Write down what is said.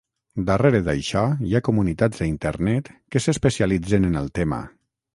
Darrere d'això hi ha comunitats a Internet que s'especialitzen en el tema.